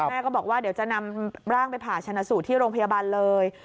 แม่ก็บอกว่าเดี๋ยวจะนำร่างไปผ่าชนะสูตรที่โรงพยาบาลเลย